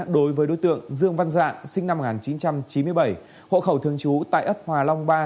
đối với đối tượng dương văn dạng sinh năm một nghìn chín trăm chín mươi bảy hộ khẩu thường trú tại ấp hòa long ba